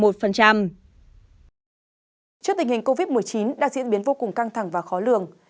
trước tình hình covid một mươi chín đang diễn biến vô cùng căng thẳng và khó lường